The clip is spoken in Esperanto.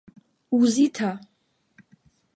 uzita